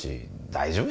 ・大丈夫？